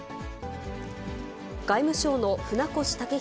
外務省の船越健裕